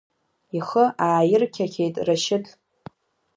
Ихы ааирқьақьеит Рашьыҭ.